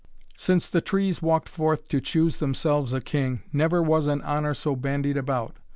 Since the trees walked forth to choose themselves a king, never was an honour so bandied about.